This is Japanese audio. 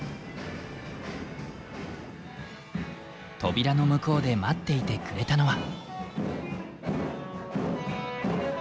扉の向こうで待っていてくれたのは。